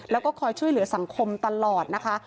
แล้วก็คอยช่วยเหลือสังคมตลอดนะคะ